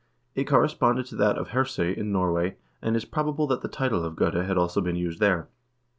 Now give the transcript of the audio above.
It corresponded to that of herse in Norway, and it is probable that the title of gode had also been used there.